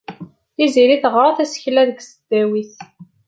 Tiziri teɣra tasekla deg tesdawit.